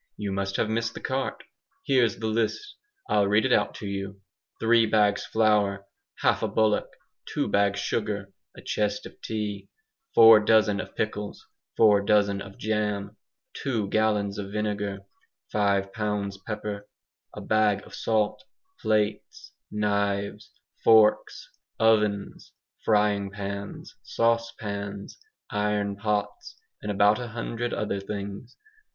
You must have missed the cart. Here's the list. I'll read it out to you: three bags flour, half a bullock, two bags sugar, a chest of tea, four dozen of pickles, four dozen of jam, two gallons of vinegar, five pounds pepper, a bag of salt, plates, knives, forks, ovens, frying pans, saucepans, iron pots, and about a hundred other things.